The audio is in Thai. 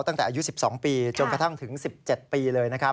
ตั้งแต่อายุ๑๒ปีจนกระทั่งถึง๑๗ปีเลยนะครับ